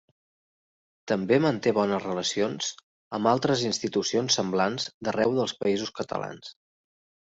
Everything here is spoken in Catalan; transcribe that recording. També manté bones relacions amb altres institucions semblants d'arreu dels Països Catalans.